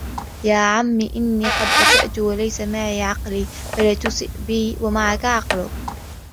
يَا عَمِّ إنِّي قَدْ أَسَأْت وَلَيْسَ مَعِي عَقْلِي فَلَا تُسِئْ بِي وَمَعَك عَقْلُك